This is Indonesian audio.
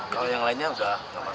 kalau yang lainnya udah aman